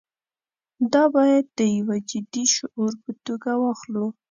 دا باید د یوه جدي شعور په توګه واخلو.